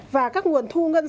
và các loại thuế gián thu